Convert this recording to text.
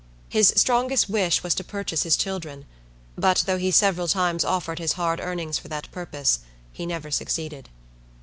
His strongest wish was to purchase his children; but, though he several times offered his hard earnings for that purpose, he never succeeded.